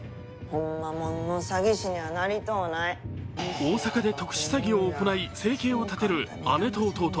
大阪で特殊詐欺を行い生計を立てる姉と弟。